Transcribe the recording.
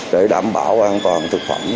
để đảm bảo an toàn thực phẩm